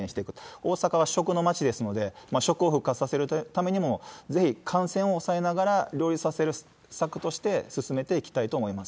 大阪は食の街ですので、食を復活させるためにも、ぜひ感染を抑えながら、両立させる策として進めていきたいと思います。